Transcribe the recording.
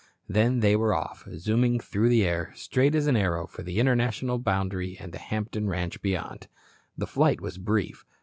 Then they were off, zooming through the air, straight as an arrow for the international boundary and the Hampton ranch beyond. The flight was brief.